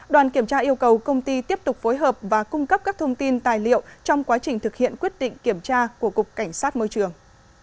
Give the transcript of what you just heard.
đoàn kiểm tra yêu cầu công ty tiếp tục phối hợp và cung cấp các thông tin tài liệu trong quá trình thực hiện quyết định kiểm tra của cục cảnh sát môi trường